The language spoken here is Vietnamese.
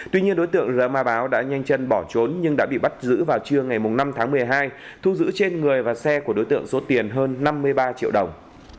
tuy nhiên đối tượng rơ ma báo đã nhanh chân bỏ trốn nhưng đã bị bắt giữ vào trưa ngày năm tháng một mươi hai thu giữ trên người và xe của đối tượng số tiền hơn năm mươi ba triệu đồng